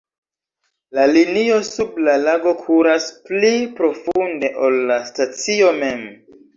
La linio sub la lago kuras pli profunde, ol la stacio mem.